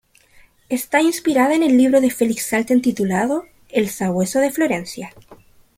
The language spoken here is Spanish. Está inspirada en el libro de Felix Salten titulado "El sabueso de Florencia".